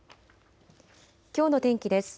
きょうの天気です。